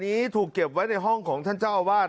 นี้ถูกเก็บไว้ในห้องของท่านเจ้าอาวาส